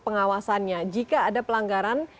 pengawasannya jika ada pelanggaran